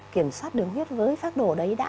kiểm soát đường huyết với pháp đồ đấy đã